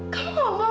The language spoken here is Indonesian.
kamu mau lagi